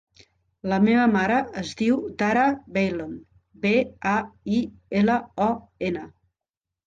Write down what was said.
La meva mare es diu Dara Bailon: be, a, i, ela, o, ena.